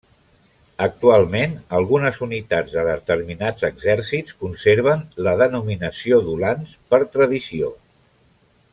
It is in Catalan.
Actualment algunes unitats de determinats exèrcits conserven la denominació d'ulans per tradició.